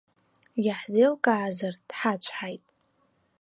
Иаҳзеилкаазар, дҳацәҳаит.